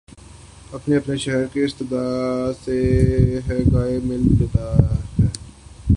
اپنے اپنے شہر میں استاد سے گاہے گاہے مل لیتا ہے۔